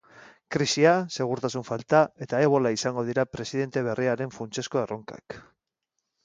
Krisia, segurtasun falta eta ebola izango dira presidente berriaren funtsezko erronkak.